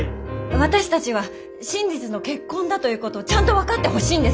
私たちは真実の結婚だということをちゃんと分かってほしいんです。